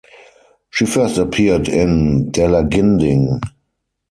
She first appeared in "Dalaginding".